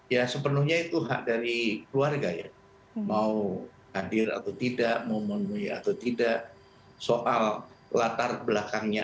ya sepenuhnya itu hak dari keluarga ya mau hadir atau tidak memenuhi atau tidak soal latar belakangnya